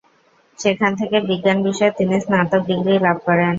সেখান থেকে বিজ্ঞান বিষয়ে তিনি স্নাতক ডিগ্রী লাভ করেন।